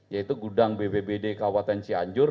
yaitu gudang bbbd kabupaten cianjur